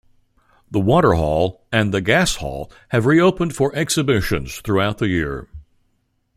The Waterhall and the Gas Hall have reopened for exhibitions throughout the year.